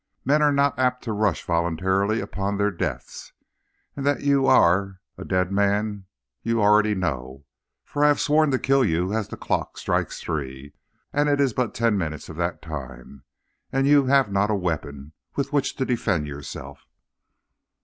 Men are not apt to rush voluntarily upon their deaths, and that you are a dead man you already know; for I have sworn to kill you as the clock strikes three, and it is but ten minutes of that time, and you have not a weapon with which to defend yourself.'